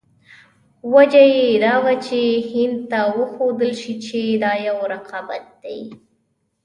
وجه یې دا وه چې هند ته وښودل شي چې دا یو رقابت دی.